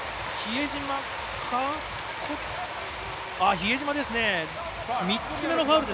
比江島です。